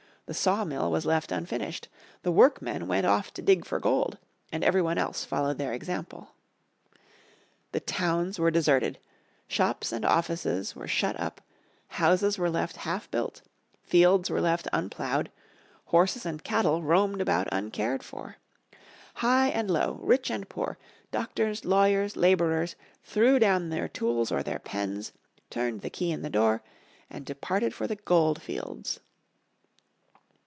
The sawmill was left unfinished, the workmen went off to dig for gold, and everyone else followed their example. The towns were deserted, shops and offices were shut up, houses were left half built, fields were left unploughed, horses and cattle roamed about uncared for. High and low, rich and poor, lawyers, doctors, labourers, threw down their tools or their pens, turned the key in the door, and departed for the gold fields.